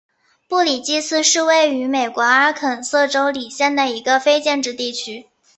布里基斯是位于美国阿肯色州李县的一个非建制地区。